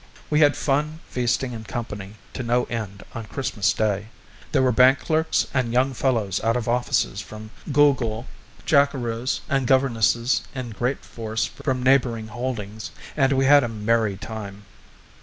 We had fun, feasting, and company to no end on Christmas Day. There were bank clerks and young fellows out of offices from Gool Gool, jackeroos and governesses in great force from neighbouring holdings, and we had a merry time.